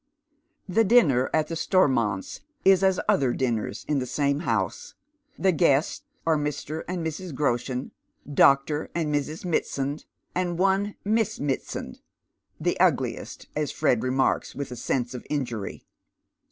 The dinner at the Stormonts is as other dinners in'the same house. The guests are Mr. and Mrs. Groshen, Dr. and Mrs. I\Iitsand, and ono ]\liss Mitsand, the ugliest, as Fred remarks with a sense of injury.